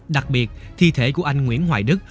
đặc biệt thi thể của anh nguyễn hoài đức